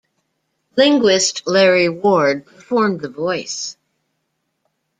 Linguist Larry Ward performed the voice.